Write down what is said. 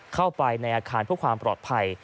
เข้าไปในอาคารเพื่อความปลอดภัย